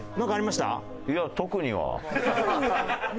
いや特には。